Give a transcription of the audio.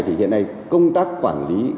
thì hiện nay công tác quản lý